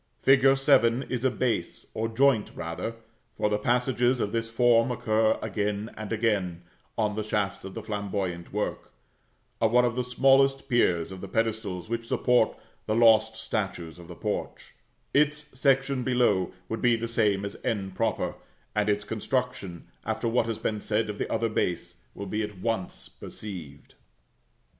Fig. 7 is a base, or joint rather (for passages of this form occur again and again, on the shafts of flamboyant work), of one of the smallest piers of the pedestals which support the lost statues of the porch; its section below would be the same as [=n], and its construction, after what has been said of the other base, will be at once perceived.